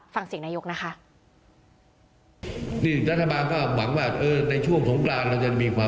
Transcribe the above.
ฟังเสียงนายกนะคะ